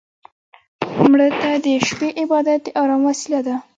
مړه ته د شپه عبادت د ارام وسيله ده